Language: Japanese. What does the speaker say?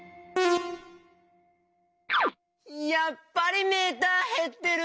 やっぱりメーターへってる！